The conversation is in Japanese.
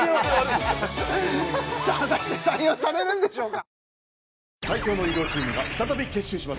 果たして採用されるんでしょうか